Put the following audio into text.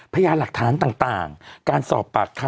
พยายามหลักฐานต่างการสอบปากคำ